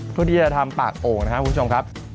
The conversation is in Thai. เพื่อที่จะทำปากโอ่งนะครับคุณผู้ชมครับ